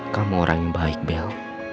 kamu orang yang baik bel